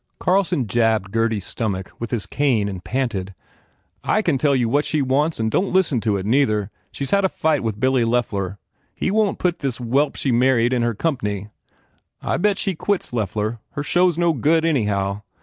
Carlson jabbed Gurdy s stomach with his cane and panted, "I can tell you what she wants and don t you listen to it, neither. She s had a fight with Billy Loeffler. He won t put this whelp she married in her comp ny. I bet she quits Loeffler. Her show s no good, anyhow.